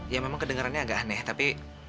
ya memang kedengarannya agak aneh tapi